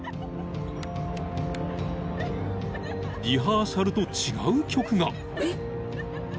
［リハーサルと違う曲が］